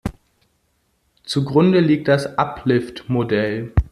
Zugrunde liegt das Uplift-Modell.